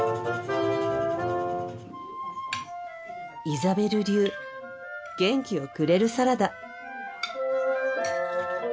イザベル流元気をくれるサラダ。